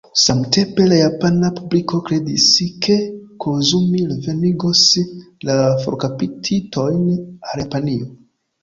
Samtempe la japana publiko kredis, ke Koizumi revenigos la forkaptitojn al Japanio.